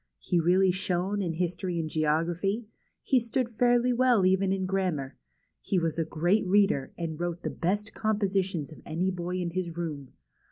He really shone in history and geography ; he stood fairly well even in grammar ; he was a great reader, and wrote the best compositions of any boy in his room.